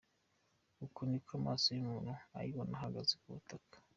Uku niko amaso y'umuntu ayibona ahagaze ku butaka.